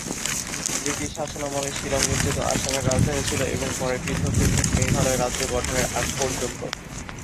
British শাসনামলে শিলং মিশ্রিত আসামের রাজধানী ছিল এবং পরে পৃথক পৃথক মেঘালয় রাজ্য গঠনের আগ পর্যন্ত।